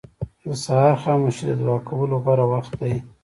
• د سهار خاموشي د دعا کولو غوره وخت دی.